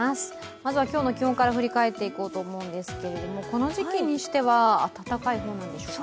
まずは今日の気温から振り返っていこうと思うんですけどこの時期にしては暖かい方なんでしょうか。